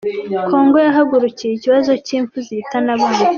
Congo yahagurukiye ikibazo cy’impfu zihitana abana